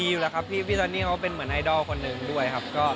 อยู่แล้วครับพี่ซอนนี่เขาเป็นเหมือนไอดอลคนหนึ่งด้วยครับ